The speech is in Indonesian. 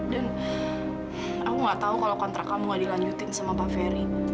dan aku gak tahu kalau kontrak kamu gak dilanjutin sama pak ferry